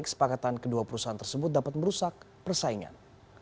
kesepakatan kedua perusahaan tersebut dapat merusak persaingan